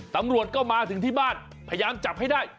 ตำรวจก็มาถึงที่บ้านพยายามจับให้ได้